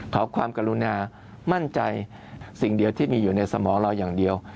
ขอความกรุณามั่นใจสิ่งเดียวที่มีอยู่ในสมองเราอย่างเดียว